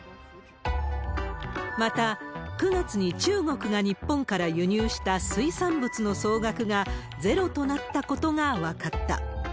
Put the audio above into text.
また、９月に中国が日本から輸入した水産物の総額がゼロとなったことが分かった。